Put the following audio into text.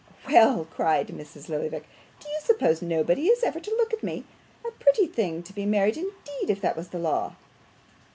'Well!' cried Mrs. Lillyvick. 'Do you suppose nobody is ever to look at me? A pretty thing to be married indeed, if that was law!